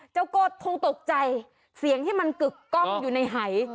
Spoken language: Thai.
โกดคงตกใจเสียงที่มันกึกกล้องอยู่ในหาย